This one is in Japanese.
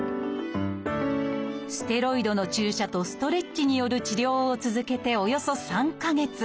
ステロイドの注射とストレッチによる治療を続けておよそ３か月。